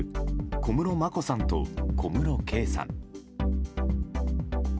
小室眞子さんと小室圭さん。